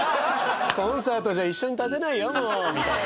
「コンサートじゃ一緒に立てないよもう」みたいな。